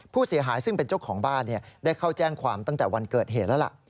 ผู้เสียหายซึ่งเป็นเจ้าของบ้านได้เข้าแจ้งความตั้งแต่วันเกิดเหตุแล้วล่ะ